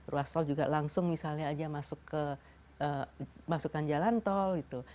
ruas tol juga langsung misalnya aja masuk ke masukan jalan tol gitu